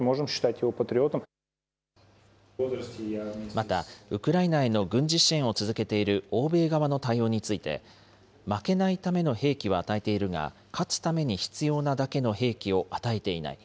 また、ウクライナへの軍事支援を続けている欧米側の対応について、負けないための兵器は与えているが、勝つために必要なだけの兵器を与えていない。